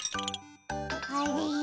あれ？